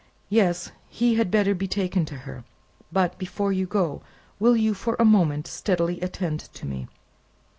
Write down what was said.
Yes; he had better be taken to her. But, before you go, will you, for a moment, steadily attend to me?